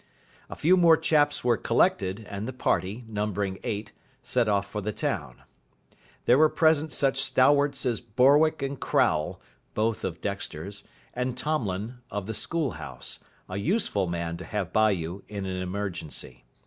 A few more chaps were collected, and the party, numbering eight, set off for the town. There were present such stalwarts as Borwick and Crowle, both of Dexter's, and Tomlin, of the School House, a useful man to have by you in an emergency.